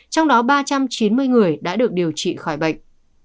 trong đó ba trăm chín mươi người đã được điều trị khỏi bệnh